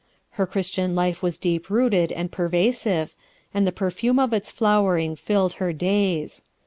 Her Christian life was deep rooted and pervasive, and the perfume of its flowering filled her days.